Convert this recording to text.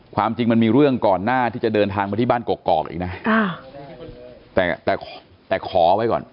ความจริงมันมีเรื่องก่อนหน้าที่จะเดินทางมาที่บ้านกอกอีกนะแต่แต่ขอไว้ก่อน